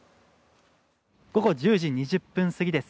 午後１０時２０分過ぎです